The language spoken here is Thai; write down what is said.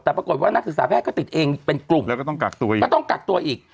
แต่ปรากฏว่านักศึกษาแพทย์ก็ติดเองเป็นกลุ่มแล้วก็ต้องกักตัวเองก็ต้องกักตัวอีก